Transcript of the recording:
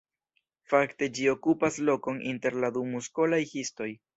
Fakte ĝi okupas lokon inter la du muskolaj histoj.